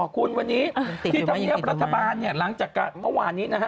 คุณวันนี้ที่ธรรมเนียบรัฐบาลเนี่ยหลังจากเมื่อวานนี้นะฮะ